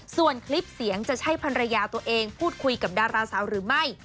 ส่วนคลิปเสียงจะใช่ภรรยาตัวเองพูดคุยกับดาราสาวหรือไม่